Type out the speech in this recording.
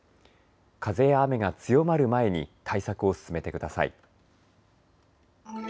風や雨が強まる前に対策を進めてください。